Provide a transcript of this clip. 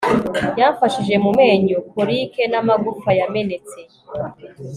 yamfashije mu menyo, colic namagufa yamenetse